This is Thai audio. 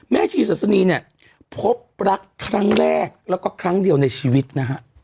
ชีศาสนีเนี่ยพบรักครั้งแรกแล้วก็ครั้งเดียวในชีวิตนะฮะ